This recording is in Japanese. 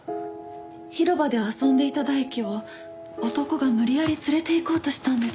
広場で遊んでいた大樹を男が無理やり連れて行こうとしたんです。